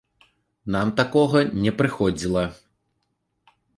Нам такога не прыходзіла.